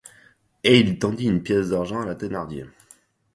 Et il tendit une pièce d'argent à la Thénardier.